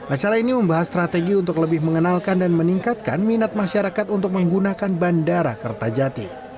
acara ini membahas strategi untuk lebih mengenalkan dan meningkatkan minat masyarakat untuk menggunakan bandara kertajati